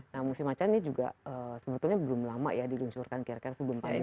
nah musim macan ini juga sebetulnya belum lama ya diluncurkan kira kira sebelum pandemi